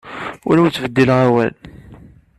Ur awen-ttbeddileɣ awal.